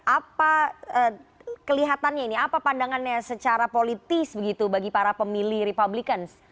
apa kelihatannya ini apa pandangannya secara politis begitu bagi para pemilih republicans